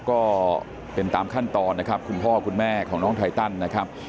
ก็เป็นตามขั้นตอนนะครับคุณพ่อคุณแม่ของน้องไทตันนะครับ